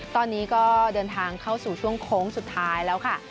ตอนนี้ก็เดินทางเข้าสู่ช่วงโค้งสุดท้ายแล้วค่ะ